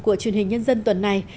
của truyền hình nhân dân tuần này